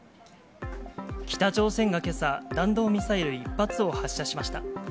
北朝鮮がけさ、弾道ミサイル１発を発射しました。